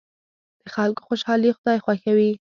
د خلکو خوشحالي خدای خوښوي.